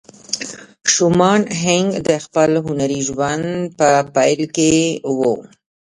شومان هینک د خپل هنري ژوند په پیل کې وه